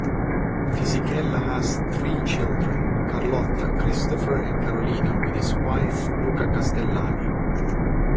Fisichella has three children, Carlotta, Christopher and Carolina, with his wife Luna Castellani.